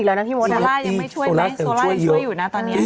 โซล่ายังไม่ช่วยไหมโซล่ายังช่วยอยู่นะตอนนี้